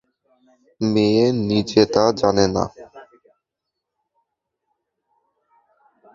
মেয়ে নিজে তা জানে না।